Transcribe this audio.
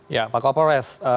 ya pak koperes